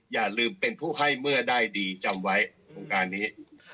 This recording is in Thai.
อย่าลืมเป็นผู้ให้เมื่อได้ดีจำไว้โครงการนี้